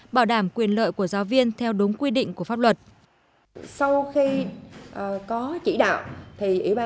bảo đảm quyền lợi của giáo viên theo đúng quy định của pháp luật